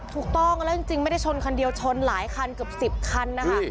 ถูกต้องแล้วจริงไม่ได้ชนคันเดียวชนหลายคันเกือบ๑๐คันนะคะ